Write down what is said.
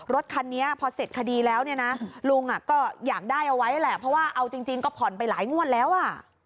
รถคันนี้พอเสร็จคดีแล้วเนี่ยนะลุงก็อยากได้เอาไว้แหละเพราะว่าเอาจริงก็ผ่อนไปหลายงวดแล้วอ่ะ